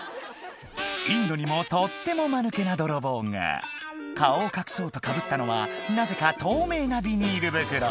インドにもとってもマヌケな泥棒が顔を隠そうとかぶったのはなぜか透明なビニール袋